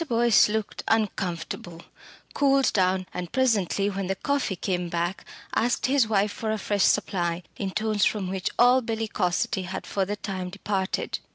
Boyce looked uncomfortable, cooled down, and presently when the coffee came back asked his wife for a fresh supply in tones from which all bellicosity had for the time departed.